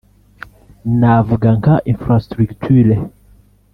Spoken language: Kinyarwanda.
navuga nka infrastructure